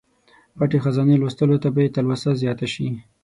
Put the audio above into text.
پټې خزانې لوستلو ته به یې تلوسه زیاته شي.